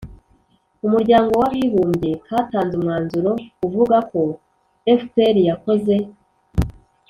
umuryango w'abibumbye katanze umwanzuro uvuga ko fpr yakoze